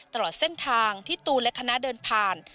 ตลอดเส้นทางที่ตูนและคณะเดินผ่าน